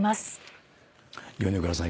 米倉さん